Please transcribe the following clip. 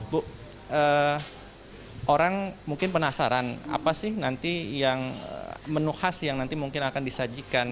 bu orang mungkin penasaran apa sih nanti yang menu khas yang nanti mungkin akan disajikan